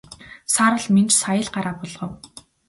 Саарал Минж сая л гараа буулгав.